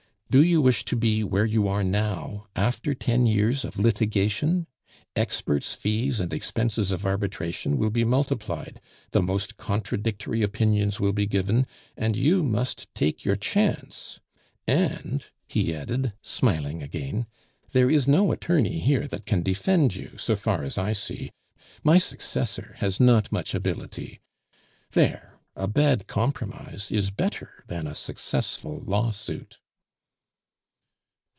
Do you wish to be where you are now after ten years of litigation? Experts' fees and expenses of arbitration will be multiplied, the most contradictory opinions will be given, and you must take your chance. And," he added, smiling again, "there is no attorney here that can defend you, so far as I see. My successor has not much ability. There, a bad compromise is better than a successful lawsuit."